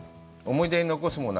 思い出に残すもの